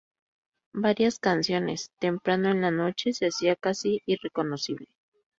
Varias canciones, temprano en la noche, se hacía casi irreconocible.